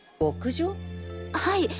はい。